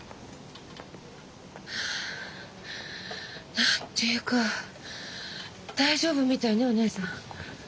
何て言うか大丈夫みたいねお姉さん。